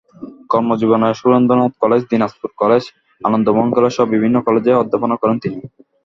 কর্মজীবনে Surendranath college, Dinajpur college, Anandamohan কলেজসহ বিভিন্ন কলেজে অধ্যাপনা করেন তিনি।